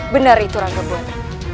benar itu rangkabun